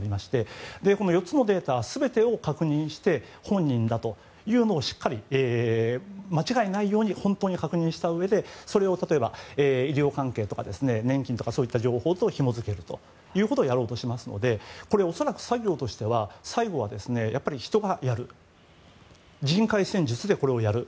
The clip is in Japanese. この４つのデータ全てを確認して本人だというのをしっかり間違えないように本当に確認したうえでそれを医療関係とか年金とかそういった情報とひも付けるということをやろうとしていますのでこれ、恐らく作業としては最後は人がやる人海戦術でやる。